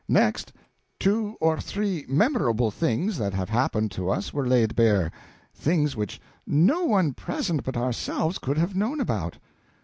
Next, two or three memorable things that had happened to us were laid bare things which no one present but ourselves could have known about."